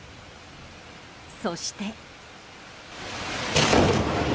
そして。